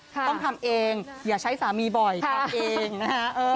ต้องทำเองอย่าใช้สามีบ่อยทำเองนะฮะ